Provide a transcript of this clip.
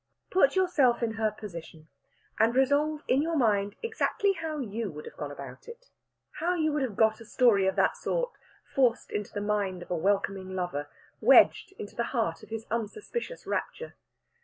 Put yourself in her position, and resolve in your mind exactly how you would have gone about it how you would have got a story of that sort forced into the mind of a welcoming lover; wedged into the heart of his unsuspicious rapture.